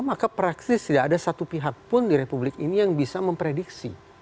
maka praksis tidak ada satu pihak pun di republik ini yang bisa memprediksi